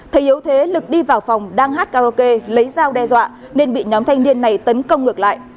thầy hiếu thế lực đi vào phòng đang hát karaoke lấy dao đe dọa nên bị nhóm thanh niên này tấn công ngược lại